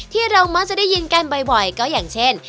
ที่เรามักจะได้ยินกันบ่อยก็อย่างเช่น